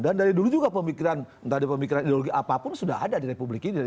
dan dari dulu juga pemikiran ideologi apapun sudah ada di republik indonesia